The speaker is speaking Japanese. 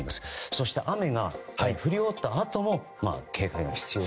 そして、雨が降り終わったあとも警戒が必要と。